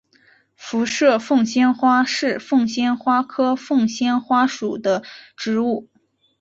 辐射凤仙花是凤仙花科凤仙花属的植物。